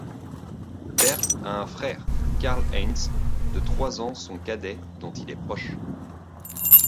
Bert a un frère, Karl-Heinz, de trois ans son cadet, dont il est proche.